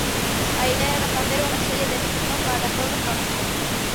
A idea era facer unha serie de ficción para a toda a familia.